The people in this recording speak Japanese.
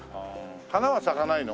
花は咲かないの？